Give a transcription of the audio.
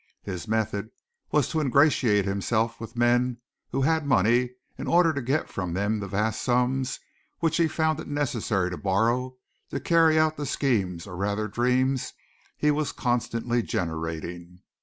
His method was to ingratiate himself with men who had money in order to get from them the vast sums which he found it necessary to borrow to carry out the schemes or rather dreams he was constantly generating.